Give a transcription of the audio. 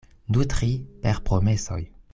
Nutri per promesoj.